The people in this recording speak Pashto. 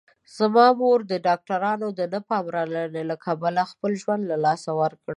زما مور د ډاکټرانو د نه پاملرنې له کبله خپل ژوند له لاسه ورکړ